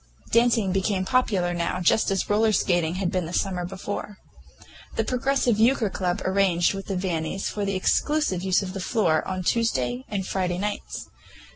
Dancing became popular now, just as roller skating had been the summer before. The Progressive Euchre Club arranged with the Vannis for the exclusive use of the floor on Tuesday and Friday nights.